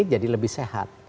jadi lebih sehat